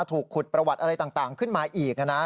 ถูกขุดประวัติอะไรต่างขึ้นมาอีกนะ